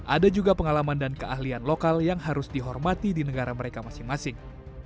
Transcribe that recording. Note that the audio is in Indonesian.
ada juga pengalaman dan keahlian lokal yang harus dihormati di negara mereka masing masing